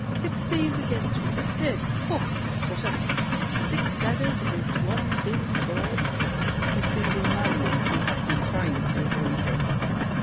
Six thieves against me! Dead! Of course! What else? Six daggers against one thin sword— [Perceiving Marion, who has been trying to avoid him.